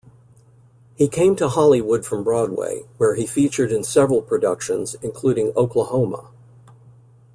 He came to Hollywood from Broadway, where he featured in several productions, including Oklahoma!